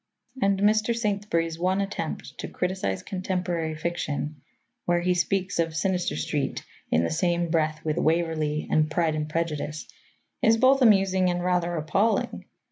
And Mr. Saintsbury's one attempt to criticize contemporary fiction where he speaks of Sinister Street in the same breath with Waverley and Pride and Prejudice is both amusing and rather appalling.